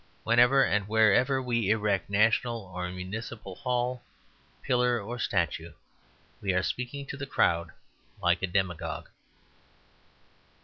Whenever and wherever we erect a national or municipal hall, pillar, or statue, we are speaking to the crowd like a demagogue.